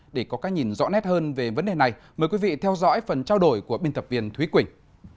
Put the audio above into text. để có các nhìn rõ nét hơn về vấn đề này mời quý vị theo dõi phần trao đổi của biên tập viên thúy quỳnh